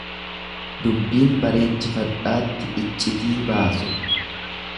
Dubbiin bareechifadhaatti iccitii baasu.